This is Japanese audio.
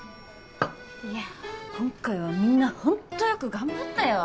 いや今回はみんなホントよく頑張ったよ。